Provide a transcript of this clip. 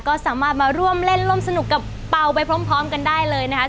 ก็สามารถมาร่วมเล่นร่วมสนุกกับเป่าไปพร้อมกันได้เลยนะคะ